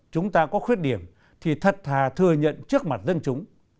chúng ta có khuyết điểm thì thật thà thừa nhận trước mặt dân chúng